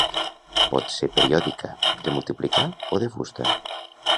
Pot ser periòdica, de multiplicar o de fusta.